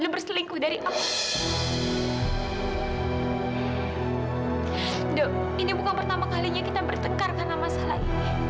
orang yang harus dicintai